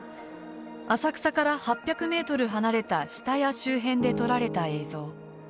浅草から８００メートル離れた下谷周辺で撮られた映像。